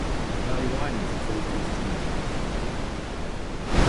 The valley widens as those two streams come together.